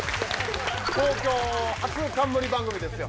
東京初冠番組ですよ。